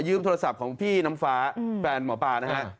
เลยขอยืมโทรศัพท์ของพี่น้ำฟ้าแปลนหมอพระนะครับ